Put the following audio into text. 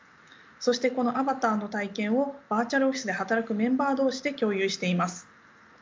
そしてこのアバターの体験をバーチャルオフィスで働くメンバー同士で共有しています。